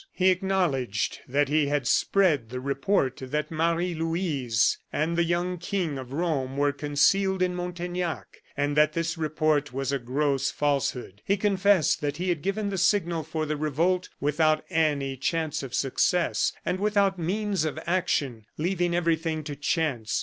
He acknowledged that he had spread the report that Marie Louise and the young King of Rome were concealed in Montaignac, and that this report was a gross falsehood. He confessed that he had given the signal for the revolt without any chance of success, and without means of action, leaving everything to chance.